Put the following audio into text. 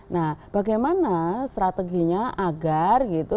nah bagaimana strateginya agar gitu